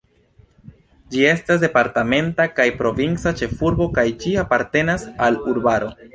Ĝi estas departementa kaj provinca ĉefurbo kaj ĝi apartenas al urbaro.